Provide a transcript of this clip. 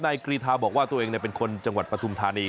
กรีธาบอกว่าตัวเองเป็นคนจังหวัดปฐุมธานี